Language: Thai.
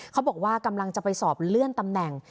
เขาบอกว่ากำลังจะไปสอบเลื่อนตำแหน่ง